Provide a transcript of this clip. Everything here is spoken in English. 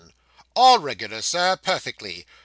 All regular, Sir; perfectly.